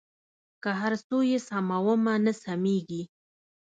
که هر څو یې سمومه نه سمېږي.